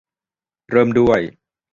เริ่มด้วย